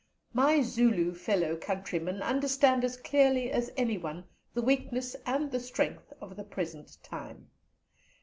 My Zulu fellow countrymen understand as clearly as anyone the weakness and the strength of the present time.